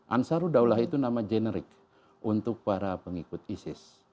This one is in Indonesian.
ansarud daulah itu nama generik untuk para pengikut isis